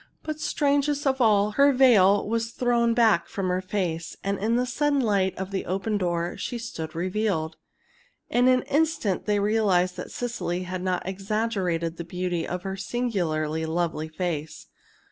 But, strangest of all, her veil was thrown back from her face, and in the sudden light of the open door she stood revealed! In an instant they realized that Cecily had not exaggerated the beauty of her singularly lovely face.